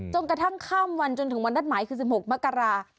กระทั่งข้ามวันจนถึงวันนัดหมายคือ๑๖มกรา